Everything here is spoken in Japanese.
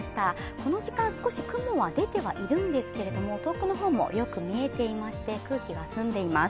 この時間、少し雲は出てはいるんですけれど遠くの方もよく見えていまして、空気は澄んでいます。